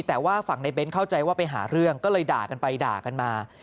แต่ว่าฝั่งในเบ้นเข้าใจว่าไปหาเรื่องก็เลยด่ากันไปด่ากันมา